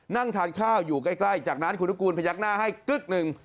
นั่งทานข้าวอยู่ใกล้จากนั้นคุณนุกูลพยักหน้าให้กึ๊กหนึ่ง